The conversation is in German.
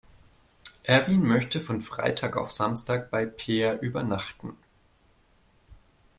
Erwin möchte von Freitag auf Samstag bei Peer übernachten.